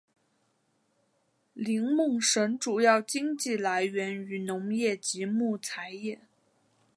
林梦省主要经济来源于农业及木材业。